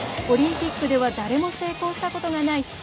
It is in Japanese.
オリンピックでは誰も成功したことがない